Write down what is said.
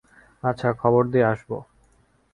আচ্ছা, খবর দিয়ে আসব।